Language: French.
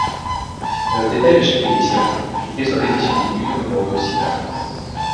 Pour le détail de chaque édition, cliquez sur l'édition voulue dans le bandeau ci-bas.